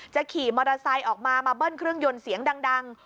ขี่มอเตอร์ไซค์ออกมามาเบิ้ลเครื่องยนต์เสียงดัง